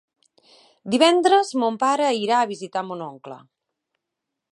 Divendres mon pare irà a visitar mon oncle.